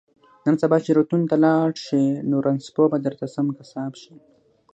نن سبا چې روغتون ته لاړ شي نو رنځپوه به درته سم قصاب شي